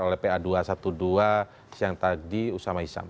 oleh pa dua ratus dua belas siang tadi usama isyam